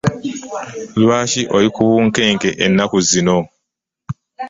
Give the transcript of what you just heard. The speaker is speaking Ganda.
Lwaki oli ku bunkenke ennaku zino?